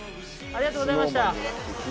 ありがとうございます。